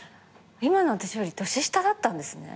今の私より年下だったんですね？